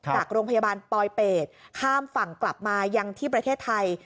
จากโรงพยาบาลปลอยเป็ดข้ามฝั่งกลับมายังที่ประเทศไทย